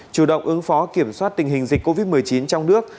chủ động ứng phó kiểm soát tình hình dịch covid một mươi chín trong nước